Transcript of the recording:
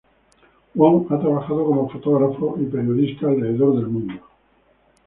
Wong ha trabajado como fotógrafo y periodista alrededor del mundo.